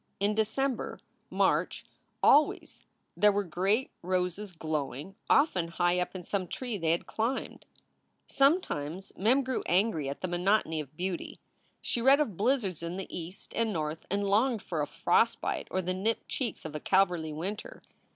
In December, March always there were great roses glowing, often high up in some tree they had climbed. Sometimes Mem grew angry at the monotony of beauty. She read of blizzards in the East and North and longed for a frostbite or the nipped cheeks of a Calverly winter.